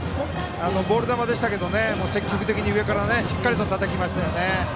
ボール球でしたけど積極的に上からしっかりたたきましたね。